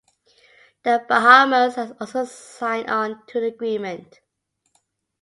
The Bahamas has also signed on to the Agreement.